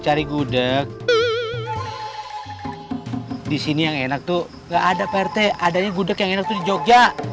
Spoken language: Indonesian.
ada gudeg di sini yang enak tuh enggak ada perte adanya gudeg yang enak di jogja